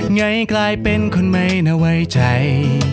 ไงกลายเป็นคนไม่นาวิจัย